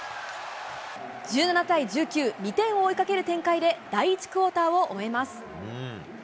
１７対１９、２点を追いかける展開で、第１クオーターを終えます。